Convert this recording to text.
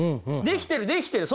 できてるできてる！